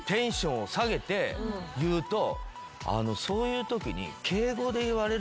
そういうときに。